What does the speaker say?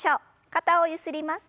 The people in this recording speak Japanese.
肩をゆすります。